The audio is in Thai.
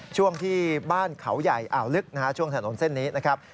ช่วงที่บ้านเขาใหญ่อ่าวลึกช่วงถนนเส้นนี้นะครับ